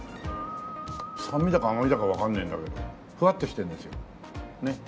酸味だか甘みだかわかんねえんだけどふわっとしてるんですよねっ。